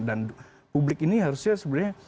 dan publik ini harusnya sebenarnya